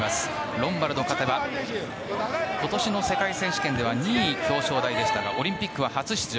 ロンバルドが勝てば今年の世界選手権では２位、表彰台でしたがオリンピックは初出場。